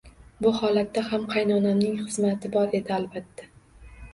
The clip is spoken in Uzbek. Bu holatda ham qaynonamning xizmati bor edi albatta